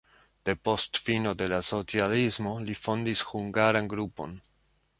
Depost fino de la socialismo li fondis hungaran grupon.